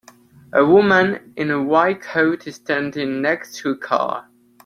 A woman in a white coat is standing next to a car.